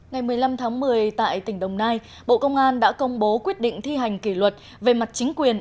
ngày một mươi năm tháng một mươi tại tỉnh đồng nai bộ công an đã công bố quyết định thi hành kỷ luật về mặt chính quyền